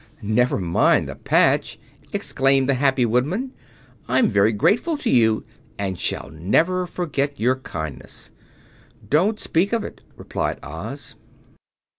"Never mind the patch," exclaimed the happy Woodman. "I am very grateful to you, and shall never forget your kindness." "Don't speak of it," replied Oz.